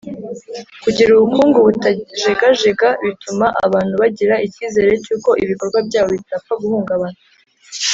kugira ubukungu butajegajega bituma abantu bagira icyizere cy'uko ibikorwa byabo bitapfa guhungabana.